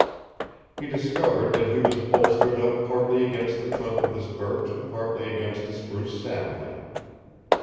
He discovered that he was bolstered up partly against the trunk of this birch and partly against a spruce sapling.